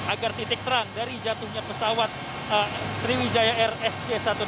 agar titik terang dari jatuhnya pesawat sriwijaya air sj satu ratus delapan puluh dua